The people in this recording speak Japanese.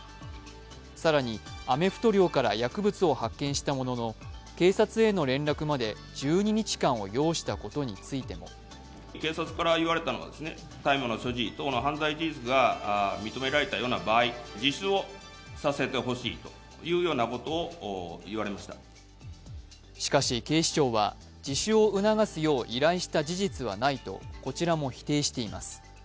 更に、アメフト寮から薬物を発見したものの、警察への連絡まで１２日間を要したことについてもしかし警視庁は自主を促すよう依頼した事実はないとこちらも否定しています。